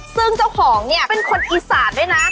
ซึ่งเจ้าของเนี่ยเป็นคนอีสานด้วยนะ